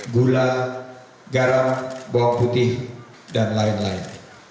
gula garam bawang putih dan lain lain